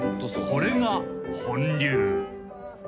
［これが本流］